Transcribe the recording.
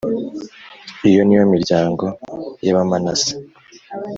Iyo ni yo miryango y Abamanase